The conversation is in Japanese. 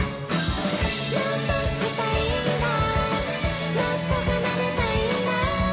「もっと弾きたいんだもっと奏でたいんだ」